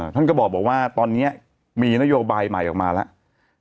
ท่านก็บอกว่าตอนนี้มีนโยบายใหม่ออกมาแล้ว